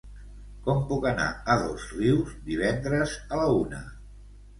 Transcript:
Com puc anar a Dosrius divendres a la una?